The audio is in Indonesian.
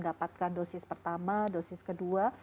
dapatkan dosis pertama dosis kedua